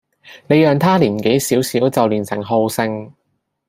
你讓他年紀小小就練成好勝